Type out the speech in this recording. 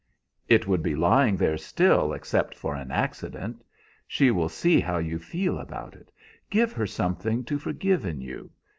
"It would be lying there still except for an accident. She will see how you feel about it. Give her something to forgive in you.